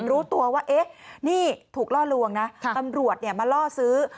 รู้ตัวว่าเอ๊ะนี่ถูกล่อลวงนะตำรวจมาล่อซื้อ